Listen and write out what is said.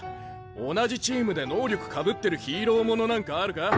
同じチームで能力かぶってるヒーローものなんかあるか？